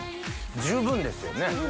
十分ですよね。